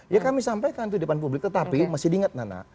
ya kami sampaikan itu di depan publik tetapi masih diingat nana